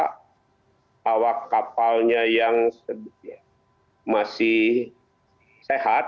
kalau kapalnya yang masih sehat itu bisa naik